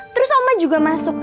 terus oma juga masuk